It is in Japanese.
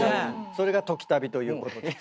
それが『トキタビ』ということです。